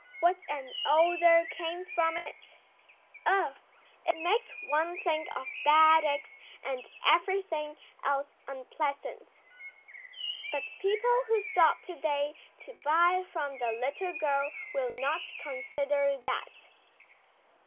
What an odour came from it! Ugh! It makes one think of bad eggs and everything else unpleasant. But people who stop to day to buy from the little girl will not consider that.